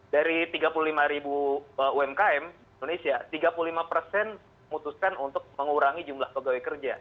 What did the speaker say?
dari tiga puluh lima ribu umkm indonesia tiga puluh lima persen memutuskan untuk mengurangi jumlah pegawai kerja